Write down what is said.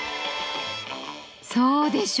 そうでしょ。